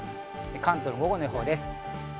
関東の午後の予報です。